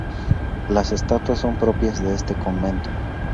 Las estatuas son propias de este convento.